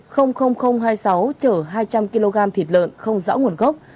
chở hai trăm linh kg thịt lợn không rõ nguồn gốc